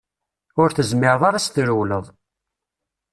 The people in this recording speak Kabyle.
Ur tezmireḍ ara ad s-trewleḍ.